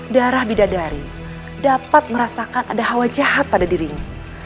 darah bidadari dapat merasakan ada hawa jahat pada dirinya